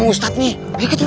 ngustadz nih begitu begitu